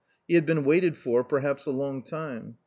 He had been waited for perhaps a long time.